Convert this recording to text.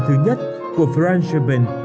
thứ nhất của frank schopen